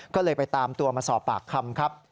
ก็เลยไปตามตัวมาสอบปากคำครับ